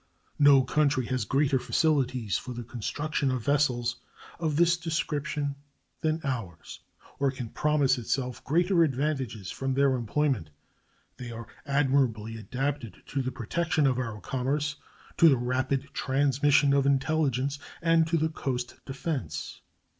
No country has greater facilities for the construction of vessels of this description than ours, or can promise itself greater advantages from their employment. They are admirably adapted to the protection of our commerce, to the rapid transmission of intelligence, and to the coast defense.